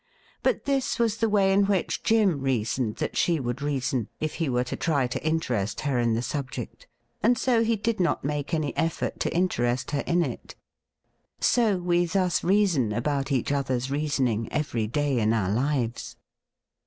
But this was the way in which Jim reasoned that she would reason if he were to try to interest her in the subject, and so he did not make any effort to interest her in it. So we thus reason about each other's reasoning every day in our lives.